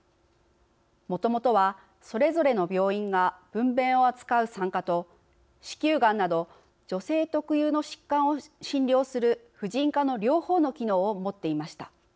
もともとは、それぞれの病院が分べんを扱う産科と子宮がんなど女性特有の疾患を診療する婦人科の両方の機能を持っていました。